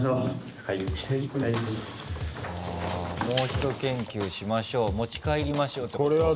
もうひと研究しましょう持ち帰りましょうってこと？